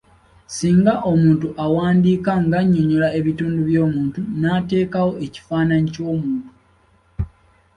Singa omuntu awandiika ng’annyonnyola ebitundu by’omuntu n’ateekawo ekifaananyi ky’omuntu.